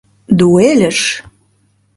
Ду-эльыш!